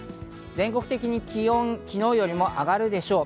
全国的に気温、昨日よりは上がるでしょう。